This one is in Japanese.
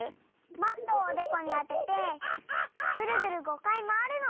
バットをおでこにあててグルグル５かいまわるの。